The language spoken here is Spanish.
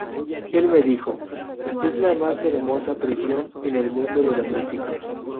Él me dijo: 'Es la más hermosa prisión en el mundo de la música.